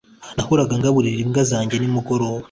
Nahoraga ngaburira imbwa zanjye nimugoroba